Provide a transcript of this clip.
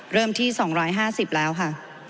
เริ่มที่๒๕๐แล้วค่ะ